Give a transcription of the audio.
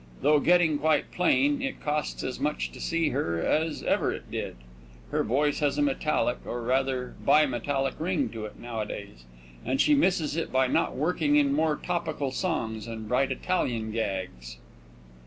Though getting quite plain, it costs as much to see her as ever it did. Her voice has a metallic, or rather bi metallic, ring to it nowadays, and she misses it by not working in more topical songs and bright Italian gags.